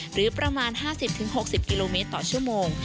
หรือประมาณ๕๐๖๐กิโลเมตรต่อชั่วโมง